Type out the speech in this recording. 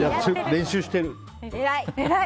練習してる。